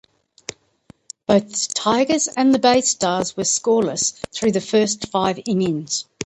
Both the Tigers and the Baystars were scoreless through the first five innings.